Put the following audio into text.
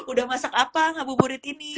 udah masak apa ngabuburit ini